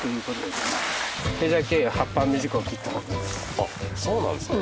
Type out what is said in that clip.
あっそうなんですね。